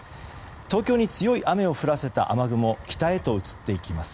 東京に強い雨を降らせた雨雲は北へと移っていきます。